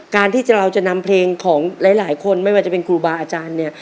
การที่เราจะนำเพลงของหลายคนไม่ว่าจะเป็นครูบาอาจารย์เนี่ย